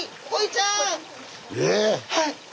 はい。